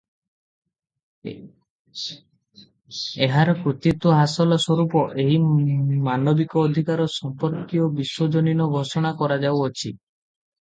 ଏହାର କୃତିତ୍ତ୍ୱ ହାସଲ ସ୍ୱରୁପ ଏହି ମାନବିକ ଅଧିକାର ସମ୍ପର୍କୀୟ ବିଶ୍ୱଜନୀନ ଘୋଷଣା କରାଯାଉଅଛି ।